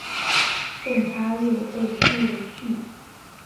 动差又被称为矩。